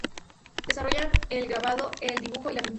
Desarrolla el grabado, el dibujo y la pintura.